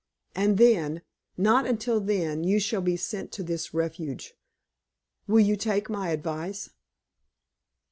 And then not until then, you shall be sent to this refuge. Will you take my advice?"